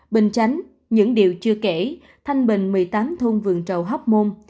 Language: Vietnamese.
bình chánh những điều chưa kể thanh bình một mươi tám thôn vườn trầu hóc môn